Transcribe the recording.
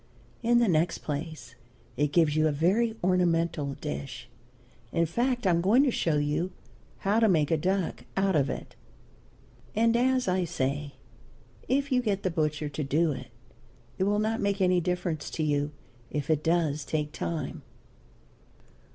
In the next place it gives you a very ornamental dish. In fact, I am going to show you how to make a duck out of it. And as I say, if you get the butcher to do it, it will not make any difference to you if it does take time.